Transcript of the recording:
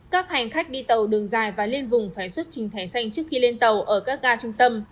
các hành khách đi tàu đường dài và lên vùng phải xuất trình thẻ xanh trước khi lên tàu ở các ga trung tâm